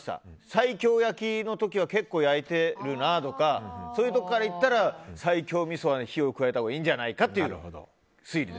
西京焼きの時は結構焼いているなとかそういうところから言ったら西京みそは火を加えたほうがいいんじゃないかっていう推理。